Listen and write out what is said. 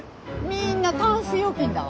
みんなタンス預金だわ。